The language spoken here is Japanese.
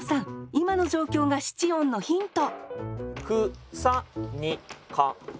今の状況が七音のヒント